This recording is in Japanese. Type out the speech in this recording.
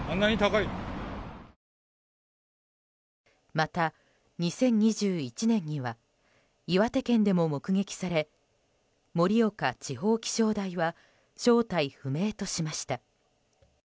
また、２０２１年には岩手県でも目撃され盛岡地方気象台は正体不明としました。